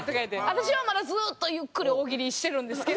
私はまだずっとゆっくり大喜利してるんですけど。